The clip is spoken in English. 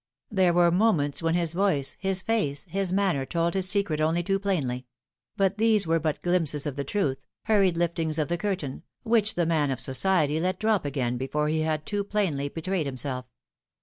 There were moments when his voice, his face, his manner told his secret only too plainly ; but these were but glimpses of the truth, hurried liftings of the curtain, which the man of society let drop again before he had too plainly betrayed himself.